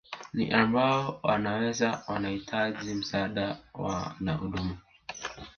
Ni ambao wanaweza wanahitaji msaada na huduma